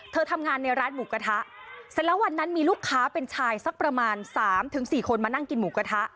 ทำงานในร้านหมูกระทะเสร็จแล้ววันนั้นมีลูกค้าเป็นชายสักประมาณ๓๔คนมานั่งกินหมูกระทะ